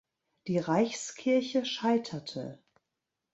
Die Reichskirche scheiterte.